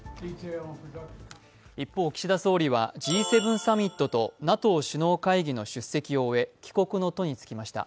一方、岸田総理はＧ７サミットとＮＡＴＯ首脳会議の出席を終え帰国の途につきました。